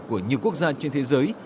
của nhiều quốc gia trên thế giới